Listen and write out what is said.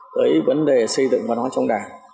tới vấn đề xây dựng văn hóa trong đảng